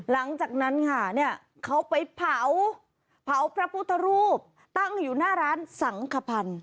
ลังจากนั้นแล้วเขาไปเผาพระพุทธรูปตั้งอยู่หน้าร้านสังฆบัณฑ์